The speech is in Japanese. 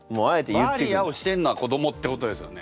「バーリア」をしてんのは子どもってことですよね。